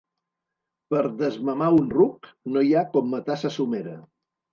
Per desmamar un ruc, no hi ha com matar sa somera.